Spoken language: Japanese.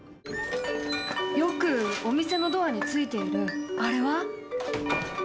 よくお店のドアについているあれは？